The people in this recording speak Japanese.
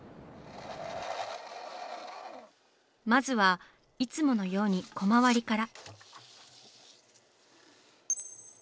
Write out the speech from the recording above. まずはいつものようにコマ割りから。